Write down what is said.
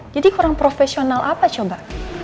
jadi kurang profesional apa coba